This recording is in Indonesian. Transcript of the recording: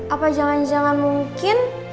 apa jangan jangan mungkin